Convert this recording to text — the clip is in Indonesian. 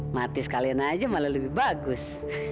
mati sekalian aja malah lebih bagus